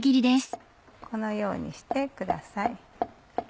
このようにしてください。